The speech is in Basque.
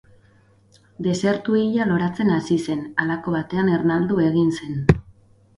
Desertu hila loratzen hasi zen, halako batean ernaldu egin zen.